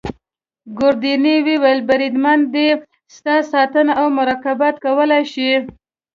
ګوردیني وویل: بریدمنه دی ستا ساتنه او مراقبت کولای شي.